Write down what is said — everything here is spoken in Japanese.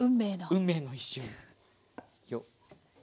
運命の一瞬。